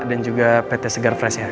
dan juga pt segar fresh ya